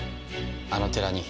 あの寺に。